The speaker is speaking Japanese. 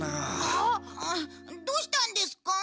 あっどうしたんですか？